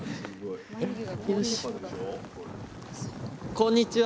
こんにちは！